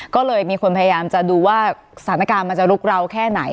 ก็เลยมีคนพยายามจะดูว่าสถานการณ์มันจะลุกราวแค่ไหน